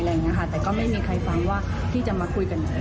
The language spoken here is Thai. แต่ก็ไม่มีใครฟังว่าที่จะมาคุยกัน